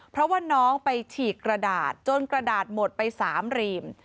เพราะว่าน้องไปฉีกกระดาษจนกระดาษหมดไป๓รีม